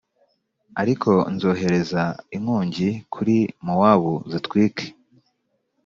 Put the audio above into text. Ariko nzohereza inkongi kuri mowabu zitwike